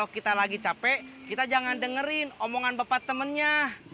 kita lagi capek kita jangan dengerin omongan bapak temennya